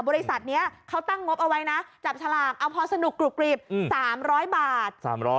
บริษัทนี้เขาตั้งงบเอาไว้นะจับฉลากเอาพอสนุกกรุบกรีบ๓๐๐บาท